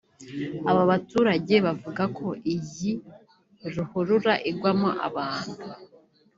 Aba baturage bavuga ko iyi ruhurura igwamo abantu